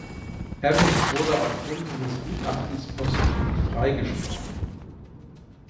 Evans wurde aufgrund dieses Gutachtens posthum freigesprochen.